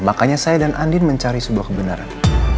makanya saya dan andin mencari sebuah kebenaran